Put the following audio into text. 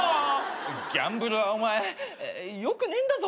ギャンブルはお前よくねえんだぞ。